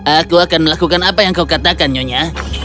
aku akan melakukan apa yang kau katakan nyonya